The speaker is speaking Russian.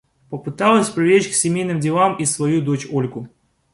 Попыталась привлечь к семейным делам и свою дочь Ольгу.